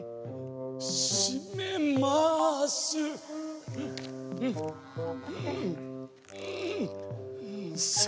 しめます！